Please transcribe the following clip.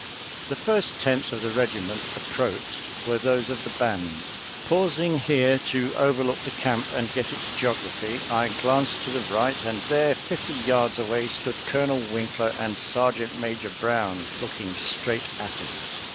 The first tents of the regiment approached were those of the band. Pausing here to over look the camp and get its geography, I glanced to the right, and there, fifty yards away, stood Colonel Winkler and Sergeant Ma j or Brown, looking straight at us.